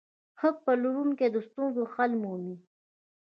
ښه پلورونکی د ستونزو حل مومي.